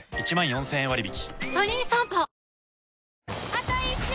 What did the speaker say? あと１周！